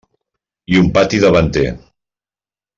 I un pati davanter.